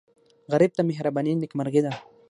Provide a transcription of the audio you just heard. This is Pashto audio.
غریب ته مهرباني نیکمرغي ده